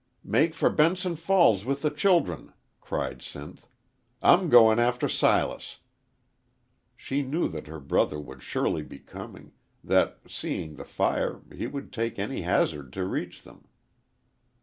"Make for Benson Falls with the childem!" cried Sinth. "I'm goin' after Silas." She knew that her brother would surely be coming that, seeing the fire, he would take any hazard to reach them.